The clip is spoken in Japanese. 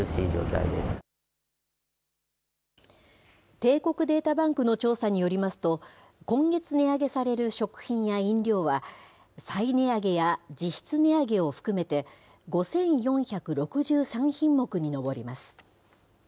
帝国データバンクの調査によりますと、今月値上げされる食品や飲料は、再値上げや実質値上げを含めて、５４６３品目に上ります。